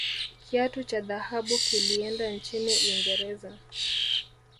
kiatu cha dhahabu kilienda nchini uingereza